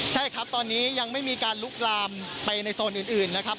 ใช่ครับตอนนี้ยังไม่มีการลุกลามไปในโซนอื่นนะครับ